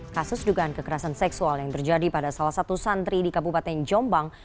kasus dugaan kekerasan seksual yang terjadi pada salah satu santri di kabupaten jombang